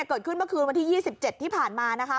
เกิดขึ้นเมื่อคืนวันที่๒๗ที่ผ่านมานะคะ